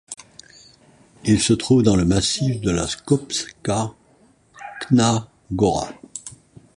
Il se trouve dans le massif de la Skopska Crna Gora.